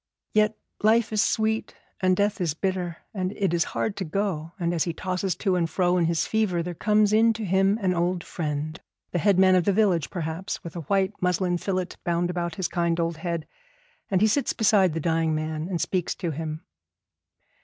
Yet life is sweet and death is bitter, and it is hard to go; and as he tosses to and fro in his fever there comes in to him an old friend, the headman of the village perhaps, with a white muslin fillet bound about his kind old head, and he sits beside the dying man and speaks to him.